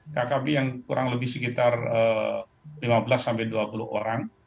kkb yang kurang lebih sekitar lima belas sampai dua puluh orang